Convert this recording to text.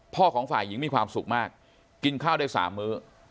ของฝ่ายหญิงมีความสุขมากกินข้าวได้๓มื้อ